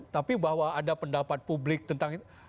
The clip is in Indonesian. tapi bahwa ada pendapat publik tentang itu